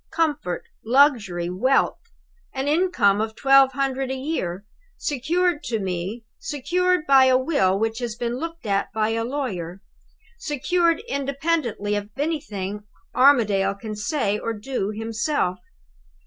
Comfort, luxury, wealth! An income of twelve hundred a year secured to me secured by a will which has been looked at by a lawyer: secured independently of anything Armadale can say or do himself!